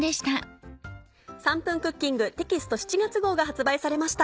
『３分クッキング』テキスト７月号が発売されました。